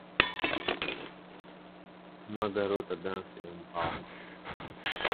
Uma garota dança em um palco.